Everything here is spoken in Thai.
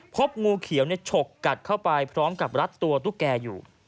พบงูเขียวฉกกัดเข้าไปพร้อมกับรัดตัวตุ๊กแกอยู่